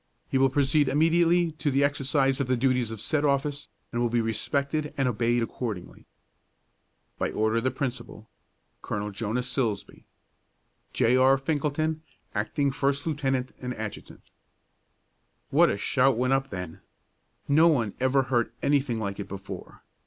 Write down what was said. He will proceed immediately to the exercise of the duties of said office, and will be respected and obeyed accordingly. By order of the Principal, Col. JONAS SILSBEE. J. R. FINKELTON, Acting First Lieut. and Adjt. What a shout went up then! No one ever heard anything like it before.